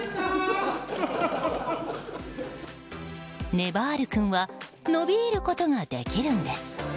ねばる君は伸びることができるんです。